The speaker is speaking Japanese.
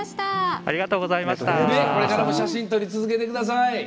これからも写真、撮り続けてください。